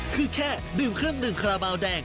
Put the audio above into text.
คือแค่ดื่มเครื่องดื่มคาราบาลแดง